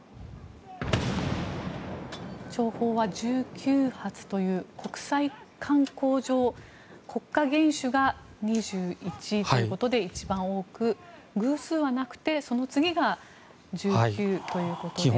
弔砲は１９発という国際慣行上国家元首が２１ということで一番多く偶数はなくてその次が１９ということで。